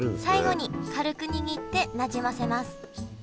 最後に軽くにぎってなじませます。